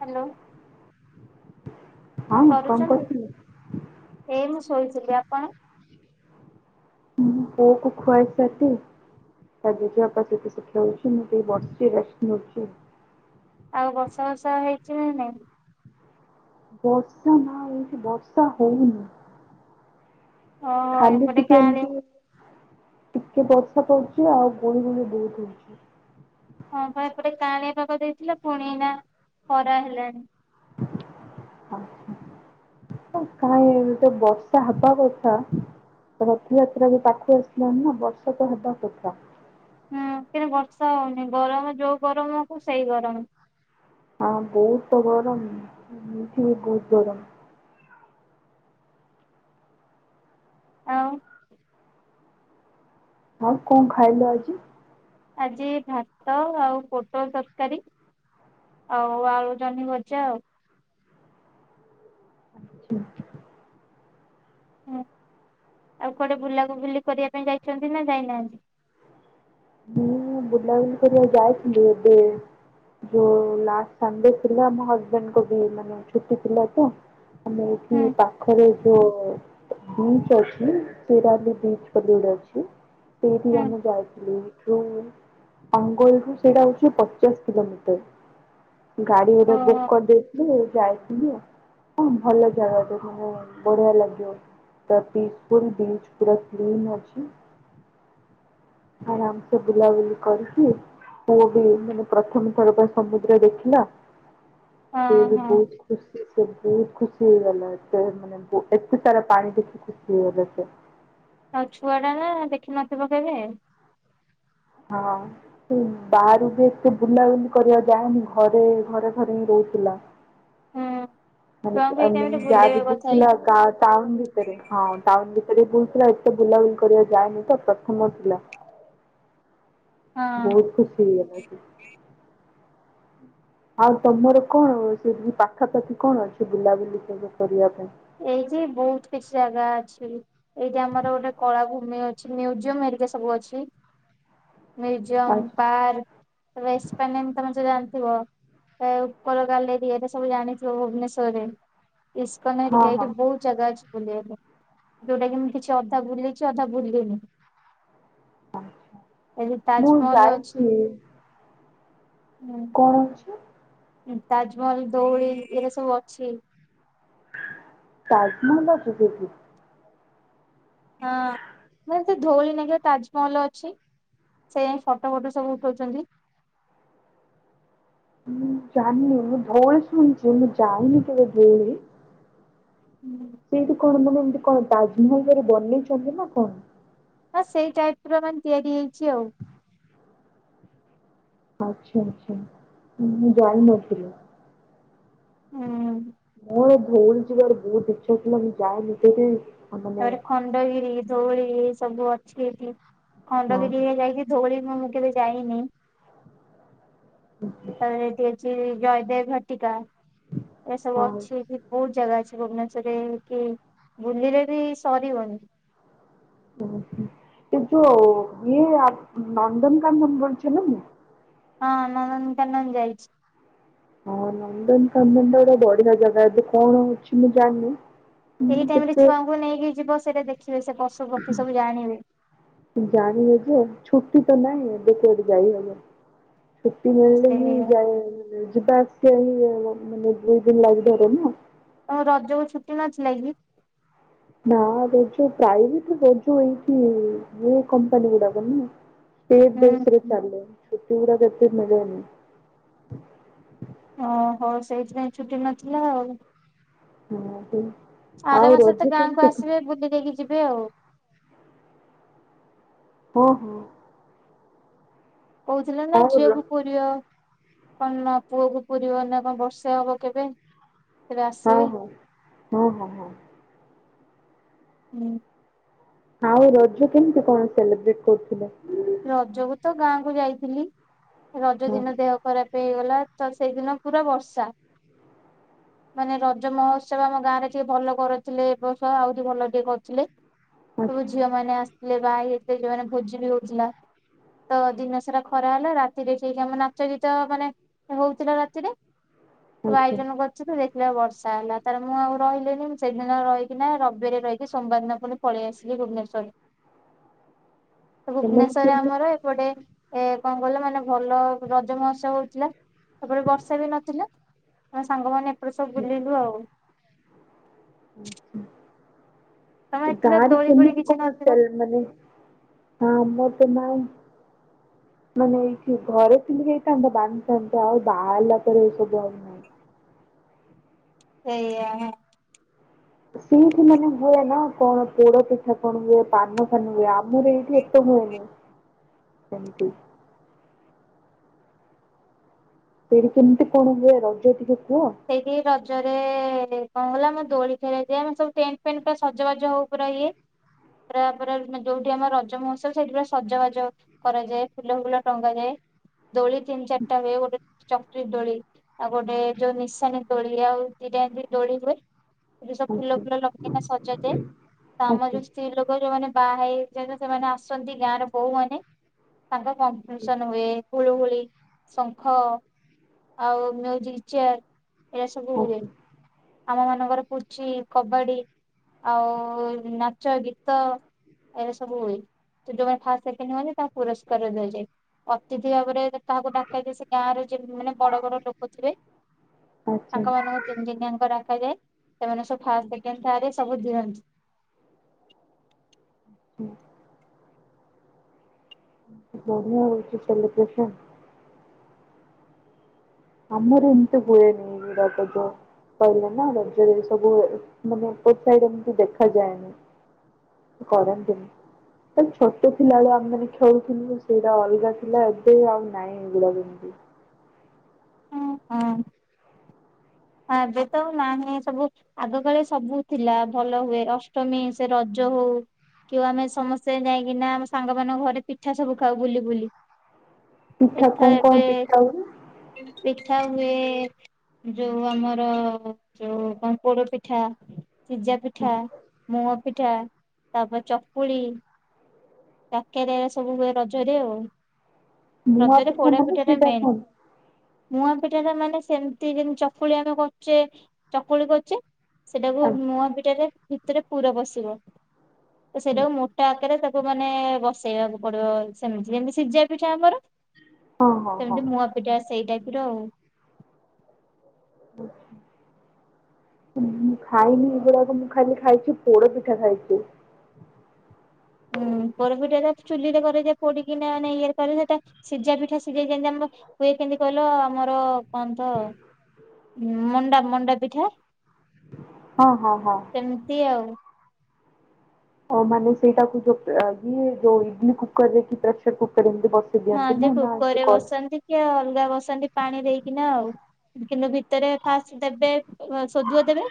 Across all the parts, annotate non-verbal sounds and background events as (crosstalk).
Hello. ହଁ କଣ କରୁଛନ୍ତି କରୁଥିଲୁ? ଏଇ ମୁଁ ଶୋଇଥିଲି ଆପଣ? ମୁଁ ବୋଉ କୁ ଖୁଆଇ ସାରିଲି ଆଜି ଝିଅ ପାଟିଚୁପ ଖେଳୁଚି ମୁଁ ବସିଚି ରେଷ୍ଟ ନଉଛି ଆଉ। ଆଉ ବର୍ଷା ବର୍ଷା ହେଇଛି ନା ନାଇ ବର୍ଷା ନା ହଉଛି ବର୍ଷା ହଉନି। ଓହୋ ଖାଲି ଏପଟେ ଟିକେ କାଁଳିଆ ଏମତି ଟିକେ ବର୍ଷା ପଡଛି ଆଉ ଗୁଳୁଗୁଳି ବହୁତ ହଉଚି। ହଁ ବା ଏପଟେ କାଳିଆ ପାାଗ ଦେଇଥିଲା ପୁଣି ନା ଖରା ହେଲାଣି। ଆଚଛା (unintelligible) କାଏଁ ଏବେତ ବର୍ଷା ହେବା କଥା। ରଥଯାତ୍ରା ବି ପାଖକୁ ଆସିଲାଣି ନା ବର୍ଷା ତ ହେବା କଥା। ହୁଁ କିନ୍ତୁ ବର୍ଷା ହଉନି ଗରମ ଯୋଉ ଗରମ କ ସେଇ ଗରମ। ହଁ ବହୁତ ଗରମ ଇମିତି ବି ବହୁତ ଗରମ। ଆଉ, ଆଉ କଣ ଖାଇଲ ଆଜି। ଆଜି ଭାତ ଆଉ ପୋଟଳ ତରକାରୀ। ଆଉ ଆଳୁ ଜନ୍ନିଭଜା ଆଉ। ଆଚଛା (unintelligible) ହୁଁ ଆଉ କୁଆଡେ ବୁଲାକୁ ବୁଲି କରିବା ପାଇଁ ଯାଇଛନ୍ତି ନା ଯାଇନାହାନ୍ତି? ହୁଁ ବୁଲାବଲି କରିବା ଯାଇଥିଲି ଏବେ ଯୋଉ ଲାଷ୍ଟ ସଣ୍ଡେ ଥିଲା ମୋ ହଜବେଣ୍ଡକୁ ବି ମାନେ ଛୁଟି ଥିଲା ତ ଆମେ ଏଠି ହୁଁ ପାଖରେ ଯୋଉ ବିଚ୍ ଅଛି ଚୁରାଲିବିଚ ବୋଲି ଗୋଟେ ଅଛି ସେଇଠି ହୁଁ ଆମେ ଯାଇଥିଲୁ। ଅଙ୍ଗଲ ରୁ ସେଇଟା ହଉଛି ପଚାଶ କିଲୋମିଟର। ଗାଡି ଗୋଟେ ବୁକ୍ ଓହୋ କରିଦେଇଥିଲୁ ଯାଇଥିଲି ଆଉ ହ ଭଲ ଜାଗା ଦେଖ ବଢିଆ ଲାଗିବ। ତା ପିସ୍ଫୁଲ ବିଚ ପୁରା କ୍ଲିନ ଅଛି ଆରାମ ସେ ବୁଲାବୁଲି କରିକି ପୁଅବି ମାନେ ପ୍ରଥମ ଥର ବା ସମୁଦ୍ର ଦେଖିଲା। ସେ ହଁ ବି ହଁ ବହୁତ ଖୁସି। ବହୁତ ଖୁସି ହେଇଗଲା ଏତେ ମାନେ ଏତେ ସାରା ପାଣି ଦେଖି ଖୁସି ହେଇଗଲା ସେ। ଆଉ ଛୁଆ ଟା ନା ଦେଖିନଥିବ କେବେ। ହଁ ସେ ବାହାରୁ ବି ଏତେ ବୁଲାବୁଲି କରିବା ଯାଏନି ଘରେ ଘରେ ଘରେ ହିଁ ରହୁଥିଲା। (unintelligible) ହୁଁ ଛୁଆଙ୍କୁ ଏଇ ମାନେ ଟାଇମରେ ଜାବି ବୁଲେଇବା କଥା ହଉଥିଲା ଏଇନା। ଟାଉନ ଭିତରେ ହଁ ଟାଉନ ଭିତ ସେି ବୁଲଥିଲା ଏତେ ବୁଲାବୁଲି କରିବା ଯାଏନି ତ ପ୍ରଥମ ଥିଲା। ହଁ ବହୁତ ଖୁସି ହୁଏ ନା କି? ଆଉ ତମର କଣ ସେଠି ପାଖାପାଖି କଣ ଅଛି ବୁଲାବୁଲି ସବୁ କରିବା ପାଇଁ। ଏଇଠି ବହୁତ କିଛି ଜାଗା ଅଛି ଏଇଠି ଆମର ଗୋଟେ କଳାଭୂମି ଅଛି ମ୍ୟୁଜିୟମ ଟିକେ ସବୁ ଅଛି। ହ ମ୍ୟୁଜିୟମ ପାର୍କ ରେଷ୍ଟ ପେନେମ ତମେତ ଜାଣି ଥିବ ଉପର ଗାଲେରି ଏରା ସବୁ ଜାଣିଥିବ ଭୁବନେଶ୍ଵର ରେ ଇସ୍କ ହଁ ଏଇଠି ହଁ ବହୁତ ଜାଗା ଅଛି। ବୁଲିବା ପାଇଁ ଯୋଉଟା କି ମୁଁ କିଛି ଅଧା ବୁଲିଚି ଅଧା ବୁଲିନି। ଏଠି ମୁଁ ତାଜମହଲ ଅଛି। ଯାଇଛି କଣ ଅଛି? ତାଜମହଲ ଧଉଳି ଏରା ସବୁ ଅଛି। ତାଜମହଲ ଅଛି ସେଠି। ହଁ ଅଁ ତ ଧଉଳି (unintelligible) ତାଜମହଲ ଅଛି। ସେ ଯାଇଁ ଫଟୋ ଫଟୋ ସବୁ ଉଠଉଚନ୍ତି। ମୁଁ ଜାନି ମୁଁ ଧଉଳି ଶୁଣଚି ମୁଁ ଯାଇନି କେବେ ଧଉଳି। ହୁଁ। ସେଇଠି କଣ ମାନେ ଏମତି କଣ ତାଜମହଲ ପରି ବନେଇଚନ୍ତି ନା କଣ? ହଁ ସେଇ ଟାଇପ ର ମାନେ ତିଆରି ହେଇଚି ଆଉ। ଆଛା ଆଛା ମୁଁ ଜାଣି ନଥିଲି। ହୁଁ ମୁଁ ଧଉଳି ଯିବାର ବହୁତ ଇଛା ଥିଲା ମୁଁ ଯାଏ (unintelligible) ତାପରେ ଖଣ୍ଡଗିରି ଧଉଳି ଏ ସବୁ ଅଛି ଏଇଠି ହଁ ଖଣ୍ଡଗିରି ଯାଇକି ଧଉଳି ମୁଁ କେବେ ଯାଇନି ତ ଏଠି ଅଛି। ଜୟଦେବ ଭାଟିକା ଏସବୁ ହଁ ଅଛି ଏଠି ବହୁତ ଜାଗା ଅଛି। ଭୁବନେଶ୍ୱରରେ କି ବୁଲିଲେ ବି ସରିବନି। ଓ ହୋ ଏଇ ଯୋଉ (unintelligible) ନନ୍ଦନକାନନ ବୁଲିଚନ୍ତି ନା ନାଇଁ? ହଁ ନନ୍ଦନକାନନ ଯାଇଛି। ହଁ ନନ୍ଦନକାନନା ଗୋଟେ ବଢିଆ ଜାଗା ଏବେ କଣ ହଉଛି ମୁଁ ଜାଣିନି। ମୁଁ ଏଇ ଟାଇମ୍ ରେ ଛୁଆଙ୍କୁ ନେଇକି ଯିବ ସେଇଟା ଦେ ଜାଣି ହଉ ଯେ ଛୁଟି ତ ନାଇଁ ଏବେ କୁଆଡେ ଯାଇ ହବ। ଛୁଟି ମିଳିଲେ ସେ ହିଁ ଯାଇ ଯିବା (unintelligible) ମାନେ ଦୁଇ ଦିନ ଲାଗିପାରେ ନା। ରଜକୁ ଛୁଟି ନଥିଲା କି? ନା ରଜ ପ୍ରାଇଭେଟ ରେ କରୁଚୁ ଆଉ ଏଇଠି ଇଏ କମ୍ପାନୀ ଗୁଡାକ ନା। ହୁଁ (unintelligible) ଚାଲେ ଛୁଟି ଗୁଡ଼ାକ ଏତେ ମିଳେନି। ଓ ହଉ ସେଇଥିପାଇଁ ଛୁଟି ନଥିଲା ଆଉ। (unintelligible) ଆର ଆଉ ମାସ ରେ ତ ରଜ ଗାଁକୁ କେମିତି ଆସିବେ ବୁଲି ଦେଇକି ଯିବେ ଆଉ। ହଁ ହଁ। କଉଥିଲେ ନା ଆଉ ର ଝିଅକୁୁ ପୁରିବ କଣ ନା ପୁଅ କୁ ପୁରିବ ନା କଣ ବର୍ଷେ ହବ କେବେ? ତେବେ ହଁ ଆସିବେ। ହଁ ହଁ ହଁ ହଁ। ହୁଁ। ଆଉ ରଜ କେମତି କଣ ସେଲିବ୍ରେଟ କରୁଥିଲେ? ରଜକୁ ତ ଗାଁ କୁ ଯାଇଥିଲି। ରଜ ହଁ ଦିନ ଦେହ ଖରାପ ହେଇଗଲା ତ ସେଇଦିନ ପୁରା ବର୍ଷା। ମାନେ ରଜ ମହୋତ୍ସବ ଆମ ଗାଁ ରେ ଟିକେ ଭଲ କରୁଥିଲେ ଏ ବର୍ଷ ଆଉରି ଭଲ ଟିକେ କରୁଥିଲେ। ସବୁ ଆଚ୍ଛା ଝିଅ ମାନେ ଆସିଥିଲେ ବାହା ହେଇ ଯାଇଥିଲେ ଯୋଉମାନେ ଭୋଜି ବି ହଉଥିଲା। ହ ତ ଦିନ ସାରା ଖରା ହେଲା ରାତିରେ ଠିକ୍ ଟାଇମ୍ ନାଚ ଗୀତ ମାନେ ହଉଥିଲା ରାତିରେ। ସବୁ ଆଚ୍ଛା ଆୟୋଜନ କରିଛୁ ତ ବର୍ଷା ହେଲା ତାର ମୁଁ ଆଉ ରହିଲିନି ମୁଁ ସେଇଦିନ ଯାକ ରହିକି ନା ରବିବାରେ ରହିକି ସୋମବାର ଦିନ ପୁଣି ପଳେଇ ଆସିଲି। ଭୁବନେଶ୍ୱର। ସେମାନେ ଭୁବନେଶ୍ଵରରେ କେମିତି ଆମର ଆଚ୍ଛା। ଏପଟେ ଏଁ କଣ କଇଲ ମାନେ ଭଲ ରଜ ମହୋତ୍ସବ ହଉଥିଲା। ଏପଟେ ବର୍ଷା ବି ନଥିଲା ଆମେ ସାଙ୍ଗମାନେ ଏପଟେ ସବୁ ବୁଲିଲୁ ଆଉ। ତମେ ଆଛା। ଏଠି ତ ଗାଁ ରେ ଦୋଳି ଫୋଳି କେମିତି କିଛି କଣ ନଥିବ ଚାଲେ? ମାନେ ଆମର ତ ନାଇଁ। ମାନେ ଏଇଠି ଘରେ ଥିଲେ ହେଇଥାନ୍ତା। ବାନ୍ଧିଥାନ୍ତା ଆଉ ବାହାରିଲା ପରେ ଏଇ ସବୁ ଆଉ ନାହିଁ। ଏଇଆ ହଁ। ସେଇଠି ମାନେ ହୁଏ ନା କଣ ପୋଡ ପିଠା କଣ ହୁଏ, ପାନ ଫାନ ହୁଏ ଆମର ଏଇଠି ଏତେ ହୁଏନି ସେମିତି। ସେଇଠି କେମତି କଣ ହୁଏ ରଜ ଟିକେ କୁହ? ସେଇଠି ରଜରେ କଣ ହେଲା ଆମ ଦୋଳି ଖେଳାଯାଏ। ଆମେ ସବୁ ଟେଣ୍ଟ ଫେଣ୍ଟ ପୁରା ସଜବାଜ ହଉ ପୁରା ଇଏ। ପ୍ରାୟ ପ୍ରାୟ ଦିନ ଯୋଉଠି ଆମର ରଜ ମହୋତ୍ସବ ସେଇଠି ପୁରା ସଜବାଜ କରାଯାଏ। ଫୁଲ ଫୁଲ ଟଙ୍ଗାଯାଏ। ଦୋଳି ତିନ ଚାରଟା ହୁଏ। ଗୋଟେ ଚକ୍ରି ଦୋଳି ଆଉ ଗୋଟେ ଯୋଉ ନିଶାନି ଦୋଳିି ଆଉ ଦିଟା ଏମତି ଦୋଳି ହୁଏ। ଏ ଯୋଉ ସବୁ ଫୁଲ ଆଚ୍ଛା ଫୁଲ ଲଗେଇକିନା ସଜା ଯାଏ। ତ ଆମର ଆଚ୍ଛା ଯୋଉ ସ୍ତ୍ରୀ ଲୋକ ଯୋଉମାନେ ବାହା ହେଇଛନ୍ତି ସେମାନେ ଆସନ୍ତି ଗାଁର ବୋହୂମାନେ ତାଙ୍କର କମ୍ପିଟିସନ ହୁଏ। ହୁଳୁ ହୁଳି, ଶଙ୍ଖ ଆଉ ମିଉଜିକ୍ ଚେୟାର ଏଇରା ସବୁ ହୁଏ। ଆଚ୍ଛା ଆମ ମାନଙ୍କର ପୁଚି, କବାଡି ଆଉ ନାଚ, ଗୀତ ଏଇରା ସବୁ ହୁଏ। ତ ଯୋଉମାନେ ଫାଷ୍ଟ ସେକେଣ୍ଡ ହୁଅନ୍ତି ତାଙ୍କୁ ପୁରସ୍କାର ଦିଆଯାଏ। ଅତିଥି ଭାବରେ କାହାକୁ ଡାକାଇକି ସେ ଗାଁରେ ଯେଉଁମାନେ ବଡ ବଡ ଲୋକ ଥିବେ, ଆଚ୍ଛା ତାଙ୍କ ମାନଙ୍କୁ ତିନି ଦିନିଆ ଡକାଯାଏ, ସେମାନେ ସବୁ ଫାଷ୍ଟ ସେକେଣ୍ଡ ଥାର୍ଡ଼ ଏଇ ସବୁ ଦିଅନ୍ତି। ହୁଁ। ବଢ଼ିଆ ହଉଛି ସେଲିବ୍ରେସନ୍। ଆମର ଏମତି ହୁଏନି ଏଗୁଡ଼ାକ ତ? କହିଲେ ନା ରଜରେ ଏସବୁ ମାନେ (unintelligible) ସାଇଡ ଏମତି ଦେଖାଯାଏନି। କରନ୍ତିନି। ଦେନ ଛୋଟ ଥିଲା ବେଳେ ଆମେମାନେ ଖେଳୁଥିଲୁ, ସେଇଟା ଅଲଗା ଥିଲା ଏବେ ଆଉ ନାଇଁ ଏଗୁଡାକ ଏମତି। ଉଁ ହଁ। ହଁ ଏବେ ତ ଆଉ ନାହିଁ ସବୁ ଆଗକାଳେ ସବୁ ଥିଲା ଭଲ ହୁଏ। ଅଷ୍ଟମୀ, ସେ ରଜ ଜ ହଉ କି ଆମେ ସମସ୍ତେ ଯାଇକିନା ଆମ ସାଙ୍ଗମାନଙ୍କ ଘରେ ପି ପିଠା ସବୁ ଖାଉ ବୁଲି ବୁଲି। ପିଠା ଏଠା କଣ କଣ ଏବେ ପିଠା ହୁଏ ପିଠା ହୁଏ। ଯୋଉ ଆମର ଯୋଉ କଣ ପୋଡ ପିଠା ସିଜା ପିଠା, ମୁଆଁ ପିଠା, ତାପରେ ଚକୁଳି କାକେରା ଏସବୁ ହୁଏ ରଜରେ ଆଉ। ମୁଆଁ ରଜରେ ପୋଡା ମାନେ ପିଠା ଟା ସେଇଟା ମେନ୍। କଣ? ମୁଆଁ ପିଠାଟାମାନେ ସେମତି ଯେମତି ଚକୁଳି ଆମେ କରୁଚେ, ଚକୁଳି କରୁଚେ ସେଟାକୁ ମୁଆଁ ପିଠାରେ ଭିତରେ ପୁର ପଶିବ, ତ ସେଟାକୁ ମୋଟା ଆକାରରେ ତା ମାନେ ବସେଇବାକୁ ପଡିବ ସେମିତି। ଯେମତି ସିଝା ପିଠା ଆମର ହଁ ହଁ ହଁ। ସେମତି ମୁଆଁ ପିଠା ସେଇ ଟାଇପର ଆଉ। ଆଚ୍ଛା। ମୁଁ ଖାଇନି ଏଇଗୁଡାକ ମୁଁ ଖାଲି ଖାଇଛି ପୋଡ ପିଠା ଖାଇଛି। (inaudible) ହୁଁ ପୋରପିଠାଟା ତ ଚୁଲିରେ କରାଯାଏ ପୋଡିକିନା ମାନେ ଇଏରେ ସେ ସିଝା ପିଠା ସିଝେଇ ଯେନ୍ତି ଆମର ହୁଏ କେମିତି କହିଲ ଆମର କଣ ତ ମଣ୍ଡା ମଣ୍ଡା ପିଠା ହଁ ହଁ ହଁ। ସେମିତି ଆଉ। ହଉ ମାନେ ସେଇଟାକୁ ଯୋଉ ଇଏ ଯୋଉ ଇଡଲି କୁକର ରେ କି ପ୍ରେସର କୁକରରେ ହଁ ଯେ କୁକରରେ ବସାନ୍ତି କି ଅଲଗା ବସାନ୍ତି ପାଣି ଦେଇକିନା ଆଉ କିନ୍ତୁ ଭି ଭିତରେ ଫାର୍ଷ୍ଟ ଦେବେ, ସୋଦୁଅ ଦେବେ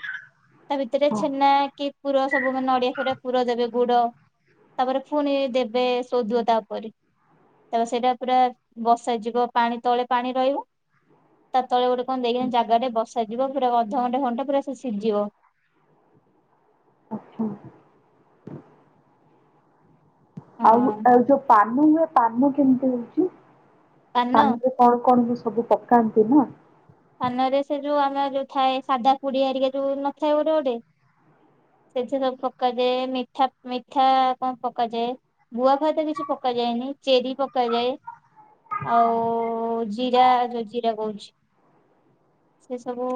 ତା ଭିତରେ ହଁ ଛେନା କି ପୁର ସବୁ ମାନେ ନଡିଆ ଫଡିଆ ପୁର ଦେବେ, ଗୁଡ ତାପରେ ଫୁଣି ଦେବେ ସୋଦୁଅ ତା ଉପରେ। ତ ସେଇଟା ପୁରା ବସା ଯିବ ପାଣି ତଳେ ପାଣି ରହିବ। ତା ତଳେ ଗୋଟେ କଣ ଦେଇକି ଜାଗାଟେ ବସ ଯିବ ପୁରା ଅଧଘଣ୍ଟା ଖଣ୍ଟେ ପୁରା ସେ ସିଝିବ। ଆଛା। ଆଉ ହଁ ଆଉ ଯୋଉ ପାନ ହୁଏ ପାନ କେମିତି ହୋଉଚି। ପାନ ପାନରେ କଣ କଣ ବି ସବୁ ପକାନ୍ତି ନା ପାନରେ ସେ ଯୋଉ ଆମର ଯୋଉ ଥାଏ। ସାଧା ପୁଡି ଆରିକା ଯୋଉ ନଥାଏ ଗୋଟେ ଗୋଟେ ସେଥିରେ ପକାଯାଏ ମିଠା ମିଠା କଣ ପକାଯାଏ? ଗୁଆ ଫୁଆ ତ କିଛି ପକାଯାଏନି ଚେରୀ ପକ୍ ପକାଯାଏ ଆଉ ଜିରା ଯୋଉ ଜିରା କହୁଚି ସେ ସବୁ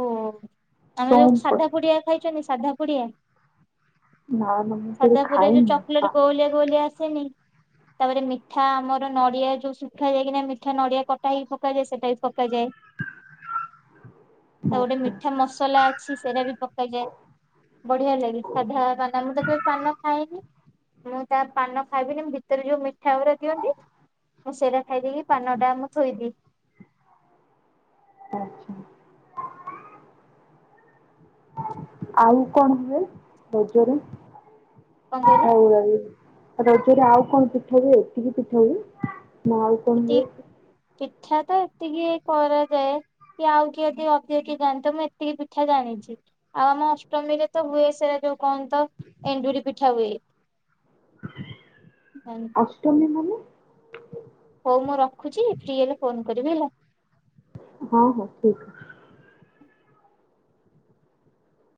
ଆମେ ଯୋଉ ସୋମ୍ପ ସାଧା ପୁଡିଆ ଖାଇ ସାଧାପୁଡିଆ ନା ନା ମୁଁ କେବେ ସାଧାପୁରିଆ ଯୋଉ ଖାଇନି ଚକିଲେଟ୍ ଆ ଗୋଲିଆ ଗୋଲିଆ ଆସେ ସେନି ତାପରେ ମିଠା ଆମର ନଡିଆ ଯୋଉ ଶୁଖାଯାକ କି ନା ମିଠା ନଡିଆ କଟା ହେଇି ପକାଯାଏ ସେଇଟା ବି ପକାଯାଏ। (inaudible) ତ ଗୋଟେ ଆଚ୍ଛା ମିଠା ମସଲା ଅଛି। ସେରା ବି ପକାଯାଏ। ବଢିଆ ଲାଗେ ସାଧା ପାନ ମୁଁ ତ କେବେ ପାନ ଖାଏନି। ମୁଁ ତା ପାନ ଖାଇବିନି ଭିତରେ ଯୋଉ ମିଠା ଗୁରା ଦିଅନ୍ତି ମୁଁ ସେଇରା ଖାଇଦେଇକି ପାନ ଟା ମୁଁ ଥୋଇଦିଏ। ଆଛା। ଆଉ କଣ ହୁଏ ରଜରେ କଣ କହିଲେ (unintelligible) ରଜରେ ଆଉ କଣ ପିଠ ହୁଏ। ଏତିକି ପିଠ ହୁଏ ନା ଆଉ କଣ ହୁଏ? ଏତିକି ପିଠା ତ ଏତିକି କରାଯାଏ। କି ଆଉ କିଏ ଯଦି ଅଧିକ କିଏ ଜାଣିତ ମୁଁ ଏତିକି ପିଠା ଜାଣିଚି ଆଉ ଆମ ଅଷ୍ଟମୀରେ ତ ହୁଏ ସେ ଯଉ କଣ ତ ଏଣ୍ଡୁରି ପିଠା ହୁଏ। ଅଷ୍ଟମୀ ମାନେ? ହଉ ମୁଁ ରଖୁଛି ଫ୍ରି ହେଲେ ଫୋନ କରିବି ହେଲା। ହଁ ହଁ ଠିକ ଅଛି।